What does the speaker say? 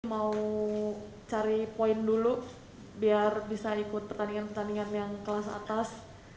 mau cari poin dulu biar bisa ikut pertandingan pertandingan yang kelas atas